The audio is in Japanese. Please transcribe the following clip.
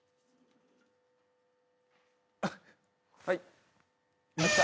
はい。